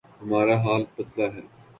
ہمارا حال پتلا ہے۔